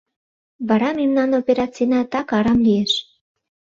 Вара мемнан операцийна так арам лиеш.